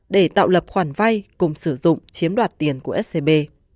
để tạo lập khoản vay cùng sử dụng chiếm đoạt tiền của scb